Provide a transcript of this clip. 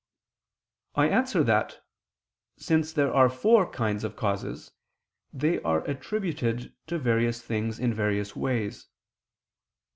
I answer that, Since there are four kinds of causes, they are attributed to various things in various ways.